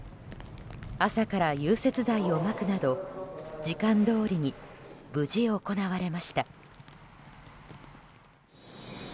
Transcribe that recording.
朝から融雪剤をまくなどし時間どおりに無事行われました。